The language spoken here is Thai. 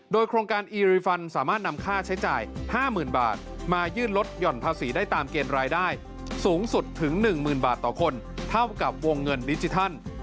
โดยโครงการอีริฟันสามารถนำค่าใช้จ่าย๕๐๐๐บาทมายื่นลดหย่อนภาษีได้ตามเกณฑ์รายได้สูงสุดถึง๑๐๐๐บาทต่อคนเท่ากับวงเงินดิจิทัล